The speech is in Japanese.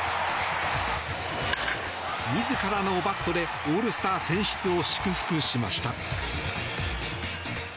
自らのバットでオールスター選出を祝福しました。